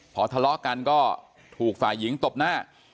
พอทะเลาะกันก็ถูกฝ่ายหญิงตบหน้า